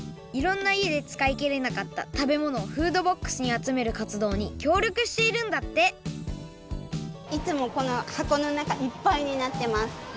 いろんないえでつかいきれなかった食べ物をフードボックスにあつめるかつどうにきょうりょくしているんだっていつもこのはこのなかいっぱいになってます。